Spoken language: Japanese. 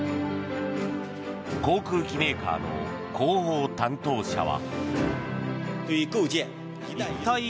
航空機メーカーの広報担当者は。